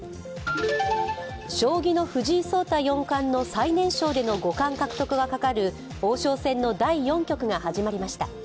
将棋の藤井聡太四冠の最年少での五冠獲得がかかる王将戦の第４局が始まりました。